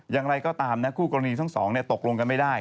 อย่างไรก็ตามนะคู่กรณีทั้งสองตกลงกันไม่ได้